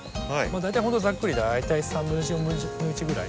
大体ほんとざっくり大体1/31/4ぐらい。